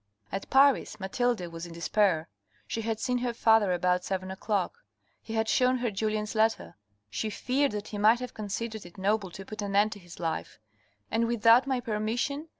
At Paris, Mathilde was in despair. She had seen her father about seven o'clock. He had shown her Julien's letter. She ;c;:red that he might have considered it noble to put an end to his life; "and without my permission